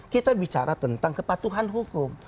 kita bicara tentang kepatuhan hukum